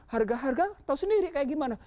harga harga tahu sendiri kayak gimana